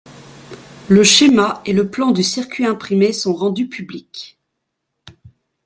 Le schéma et le plan du circuit imprimé sont rendus publics.